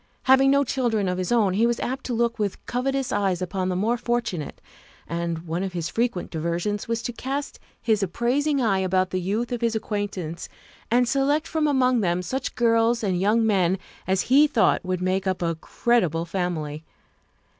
Having no children of his own, he was apt to look with covetous eyes upon the more fortunate, and one of his frequent diversions was to cast his appraising eye about the youth of his acquaintance and select from among them such girls and young men as he thought would make up a creditable family.